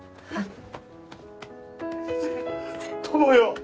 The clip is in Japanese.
友よ！